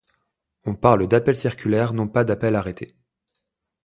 On parle d'appel circulaire non pas d'appel arrêté.